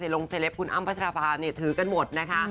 ลงเซลปคุณอ้ำพัชราภาถือกันหมดนะคะ